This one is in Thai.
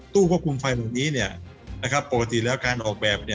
ควบคุมไฟแบบนี้ปกติแล้วการออกแบบ